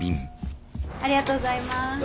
ありがとうございます。